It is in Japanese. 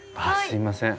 すいません。